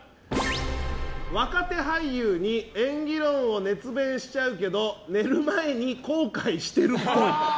若手俳優に演技論を熱弁しちゃうけど寝る前に後悔してるっぽい。